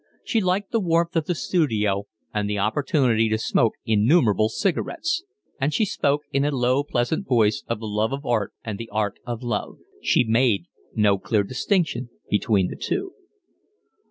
She liked the warmth of the studio, and the opportunity to smoke innumerable cigarettes; and she spoke in a low, pleasant voice of the love of art and the art of love. She made no clear distinction between the two.